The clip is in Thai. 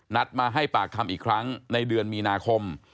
มาให้ปากคำอีกครั้งในเดือนมีนาคม